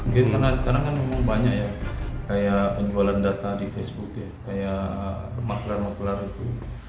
karena sekarang kan banyak ya kayak penjualan data di facebook kayak maklumat maklumat itu